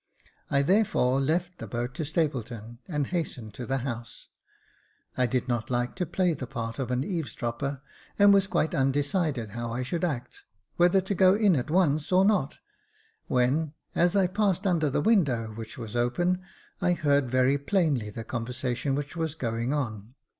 I, 254 Jacob Faithful therefore, left the boat to Stapleton, and hastened to the house, I did not like to play the part of an eavesdropper, and was quite undecided how I should act •, whether to go in at once or not, when, as I passed under the window, which was open, I heard very plainly the conversation which was going on.